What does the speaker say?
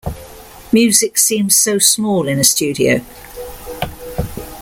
Music seems so small in a studio.